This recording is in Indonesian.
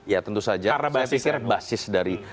ya tentu saja basis dari